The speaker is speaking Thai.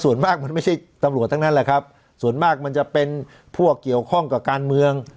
ส่วนมากมันไม่ใช่ตำรวจทั้งนั้นแหละครับส่วนมากมันจะเป็นพวกเกี่ยวข้องกับการเมือง